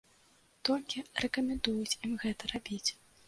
Толькі рэкамендуюць ім гэта рабіць.